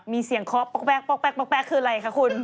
มีเสียงคอปป๊อกแป๊กคืออะไรคะคุณ